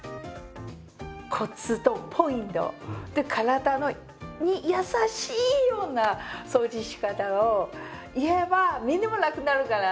コツとポイント体に優しいような掃除のしかたを言えばみんなも楽になるから！